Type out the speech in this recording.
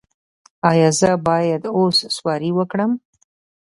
ایا زه باید اس سواري وکړم؟